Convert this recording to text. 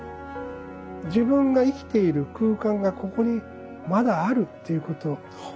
自分が生きている空間がここにまだあるっていうこと。